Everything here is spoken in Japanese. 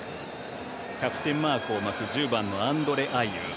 キャプテンマークを巻く１０番のアンドレ・アイウ。